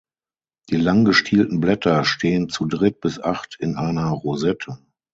Die lang gestielten Blätter stehen zu dritt bis acht in einer Rosette.